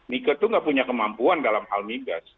nike itu nggak punya kemampuan dalam hal migas